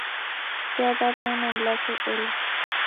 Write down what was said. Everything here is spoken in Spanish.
Sea dado un enlace "L".